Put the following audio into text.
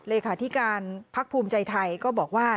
แต่ที่การพักภูมิใจไทยก็บอกว่า